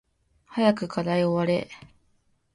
早く課題終われ